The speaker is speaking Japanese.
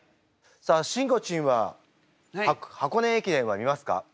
さあしんごちんは箱根駅伝は見ますか？